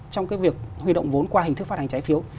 trong cái việc huy động vốn qua hình thức phát hành trái phiếu